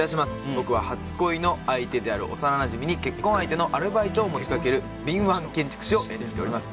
僕は初恋の相手である幼なじみに結婚相手のアルバイトを持ちかける敏腕建築士を演じています。